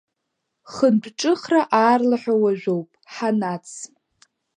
Хынтәҿыхра аарлаҳәа уажәоуп, ҳанаҵс.